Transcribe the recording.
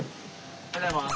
おはようございます。